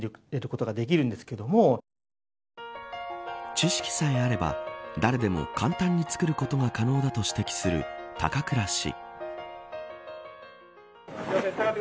知識さえあれば誰でも簡単に作ることが可能だと指摘する高倉氏。